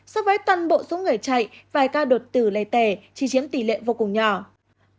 so với toàn bộ số người chạy vài ca đột tử lề tẻ chỉ chiếm tỷ lệ vô cùng nhỏ